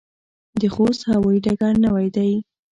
د خوست هوايي ډګر نوی دی